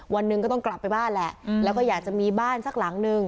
วันหนึ่งก็ต้องกลับไปบ้านแหละแล้วก็อยากจะมีบ้านสักหลังนึง